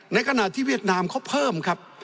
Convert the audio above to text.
ในขณะที่เวียดนามเขาเพิ่มครับ